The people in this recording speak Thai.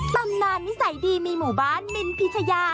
ตำนานนิสัยดีมีหมู่บ้านมินพิชยา